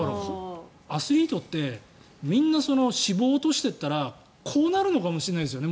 アスリートってみんな脂肪を落としていったらこうなるのかもしれないですよね